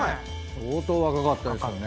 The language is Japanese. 相当若かったですよね。